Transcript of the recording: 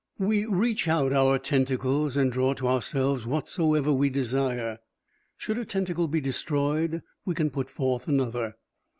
We reach out our tentacles and draw to ourselves whatsoever we desire. Should a tentacle be destroyed, we can put forth another.